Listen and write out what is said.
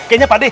kayaknya pak de